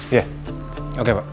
iya oke pak